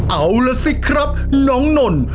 เอาล่ะสิครับน้องนนท์